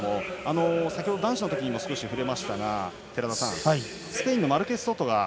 先ほど男子のときも触れましたがスペインのマルケスソトが。